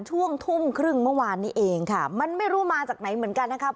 ช่วงทุ่มครึ่งเมื่อวานนี้เองค่ะมันไม่รู้มาจากไหนเหมือนกันนะครับ